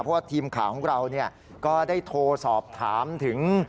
เพราะว่าทีมข่าวของเราก็ได้โทรสอบถามถึง